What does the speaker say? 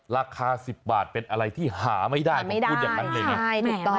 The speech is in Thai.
ราคา๑๐บาทเป็นอะไรที่หาไม่ได้ผมพูดอย่างนั้นเลยนะ